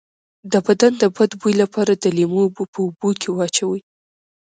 د بدن د بد بوی لپاره د لیمو اوبه په اوبو کې واچوئ